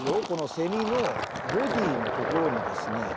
このセミのボディーのところにですね